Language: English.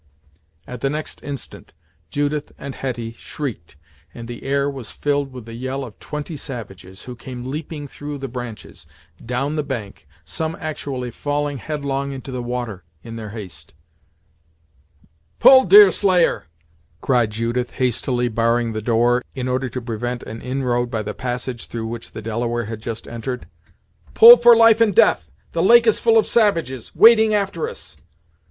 At the next instant, Judith and Hetty shrieked, and the air was filled with the yell of twenty savages, who came leaping through the branches, down the bank, some actually falling headlong into the water, in their haste. "Pull, Deerslayer," cried Judith, hastily barring the door, in order to prevent an inroad by the passage through which the Delaware had just entered; "pull, for life and death the lake is full of savages, wading after us!"